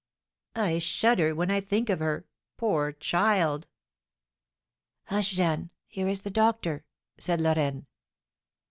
"I shudder when I think of her! Poor child!" "Hush, Jeanne! Here is the doctor!" said Lorraine.